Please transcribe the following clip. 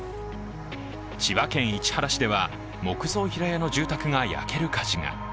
千葉県市原市では木造平屋の住宅が焼ける火事が。